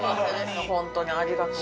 本当にありがとう。